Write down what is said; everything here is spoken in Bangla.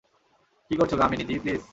কি করছো কামিনী জি, প্লিজ।